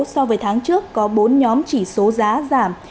so với tháng trước có bốn nhóm chỉ số giá giảm